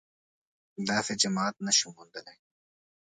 داسې جماعت نه شو موندلای